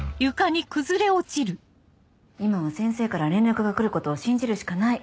今は先生から連絡が来ることを信じるしかない。